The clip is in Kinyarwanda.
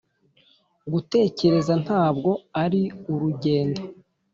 gutekereza ntabwo ari urugendo.